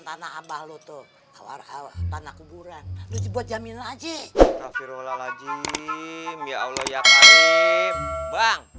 tanah abah lu tuh warna kuburan lu buat jamin aja terfirullahaladzim ya allah ya karim bang